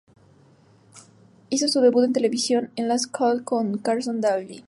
Hizo su debut en televisión en "Last Call con Carson Daly".